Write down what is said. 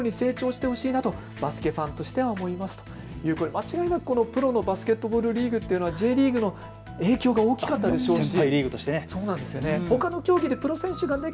間違いなくプロのバスケットボールリーグ、Ｊリーグの影響が大きかったでしょうね。